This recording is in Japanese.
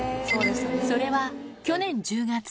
それは去年１０月。